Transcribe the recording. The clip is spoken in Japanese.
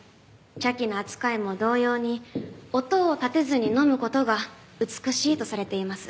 茶器の扱いも同様に音を立てずに飲む事が美しいとされています。